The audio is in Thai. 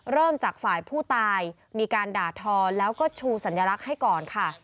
เริ่มจากฝ่ายผู้ตายมีการด่าทอแล้วก็ชูสัญลักษณ์ให้ก่อนค่ะ